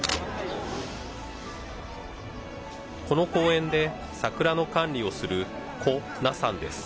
この公園で桜の管理をする胡娜さんです。